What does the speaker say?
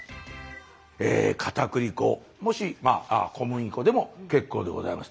かたくり粉もしまあ小麦粉でも結構でございます。